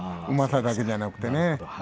うまさだけではなくて。